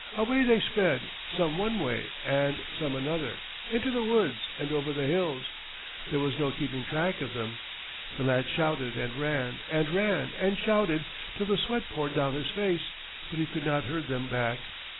Away they sped, some one way and some another, into the woods and over the hills, there was no keeping track of them. The lad shouted and ran and ran and shouted till the sweat poured down his face, but he could not herd them back.